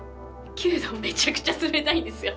めちゃくちゃ冷たいんですよ。